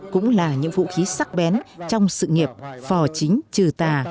cũng là những vũ khí sắc bén trong sự nghiệp phò chính trừ tà